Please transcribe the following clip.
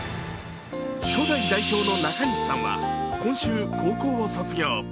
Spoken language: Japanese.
初代代表の中西さんは今週、高校を卒業。